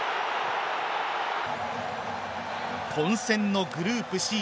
混戦のグループＣ。